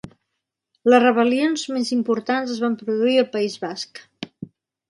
Les rebel·lions més importants es van produir al País Basc.